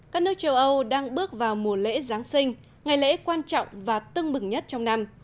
các nước châu âu đang bước vào mùa lễ giáng sinh ngày lễ quan trọng và tưng bừng nhất trong năm